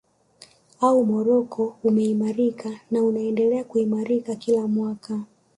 Au Morocco umeimarika na unaendelea kuimarika kila mwaka